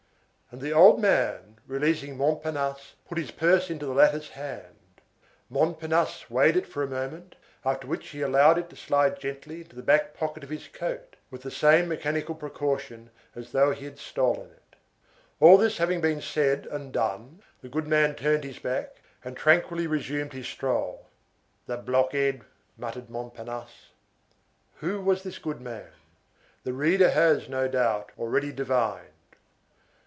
And the old man, releasing Montparnasse, put his purse in the latter's hand; Montparnasse weighed it for a moment, after which he allowed it to slide gently into the back pocket of his coat, with the same mechanical precaution as though he had stolen it. All this having been said and done, the goodman turned his back and tranquilly resumed his stroll. "The blockhead!" muttered Montparnasse. Who was this goodman? The reader has, no doubt, already divined.